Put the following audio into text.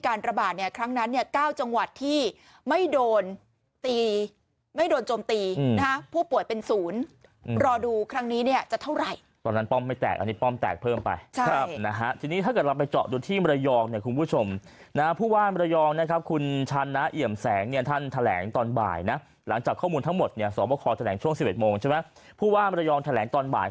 การระบาดเนี่ยครั้งนั้นเนี่ยเก้าจังหวัดที่ไม่โดนตีไม่โดนจมตีนะฮะผู้ป่วยเป็นศูนย์รอดูครั้งนี้เนี่ยจะเท่าไหร่ตอนนั้นป้อมไม่แตกอันนี้ป้อมแตกเพิ่มไปใช่นะฮะทีนี้ถ้าเกิดเราไปเจาะอยู่ที่มรยองเนี่ยคุณผู้ชมนะฮะผู้ว่ามรยองนะครับคุณชันนะเอี่ยมแสงเนี่ยท่านแถลงตอนบ่ายน่ะหลังจากข้อมูล